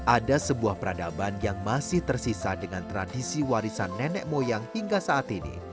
ada sebuah peradaban yang masih tersisa dengan tradisi warisan nenek moyang hingga saat ini